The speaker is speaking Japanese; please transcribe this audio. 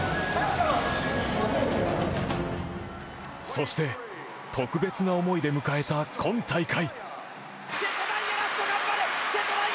そして特別な思いで迎えた今大会。